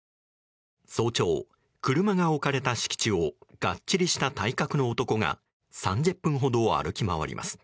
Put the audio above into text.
早朝、車が置かれた敷地をがっちりした体格の男が３０分ほど歩き回ります。